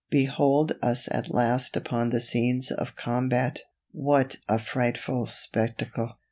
Behold us at last upon the scenes of combat what a frightful spectacle!